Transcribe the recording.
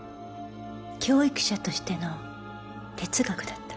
教育者としての哲学だった。